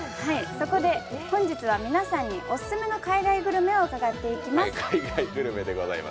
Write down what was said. そこで、本日は皆さんにオススメの海外グルメを伺っていきます。